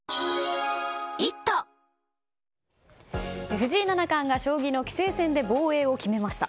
藤井七冠が将棋の棋聖戦で防衛を決めました。